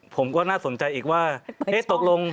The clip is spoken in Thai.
ผมก็น่าสนใจอีกว่าตกลง